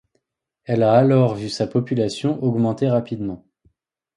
Elle a alors vu sa population augmenter rapidement.